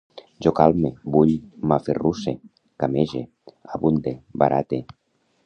Jo calme, bull, m'aferrusse, camege, abunde, barate